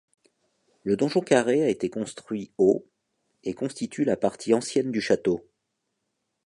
Le donjon carré a été construit au et constitue la partie ancienne du château.